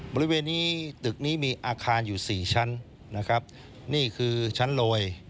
บริเวณนี้ตึกนี้มีอาคารอยู่สี่ชั้นนะครับนี่คือชั้นลอย